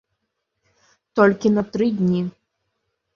Толькі на тры дні.